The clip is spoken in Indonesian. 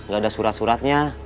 gak ada surat suratnya